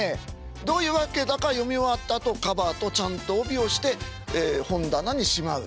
どういうわけだか読み終わったあとカバーとちゃんと帯をして本棚にしまう。